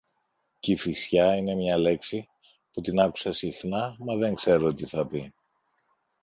Κηφισιά είναι μια λέξη που την άκουσα συχνά, μα δεν ξέρω τι θα πει.